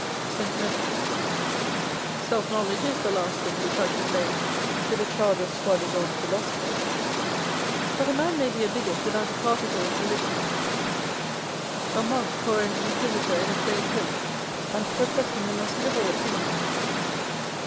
Sentimentalist. Self knowledge is the last thing which I should lay to the charge of soi disant philosophers ; but a man may be a bigot without a particle of religion, a â€¢2.j2 The New School of Reform. monk or an Inquisitor in a plain coat and professing the most liberal opinions.